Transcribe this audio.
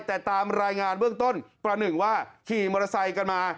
แต่ตามรายงานเบื้องต้นประหนึ่งว่าขี่มอเตอร์ไซค์กันมา